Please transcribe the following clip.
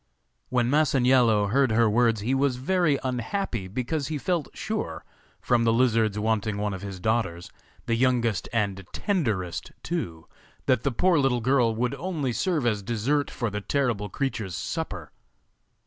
When Masaniello heard her words he was very unhappy, because he felt sure, from the lizard's wanting one of his daughters, the youngest and tenderest too, that the poor little girl would only serve as dessert for the terrible creature's supper.